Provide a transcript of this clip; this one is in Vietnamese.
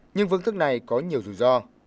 nhưng vương thức này có nhiều rủi ro